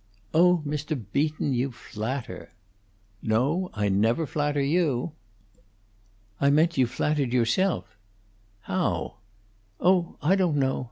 "Oh, Mr. Beaton, you flatter." "No, I never flatter you." "I meant you flattered yourself." "How?" "Oh, I don't know.